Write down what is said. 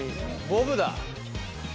ボブだ。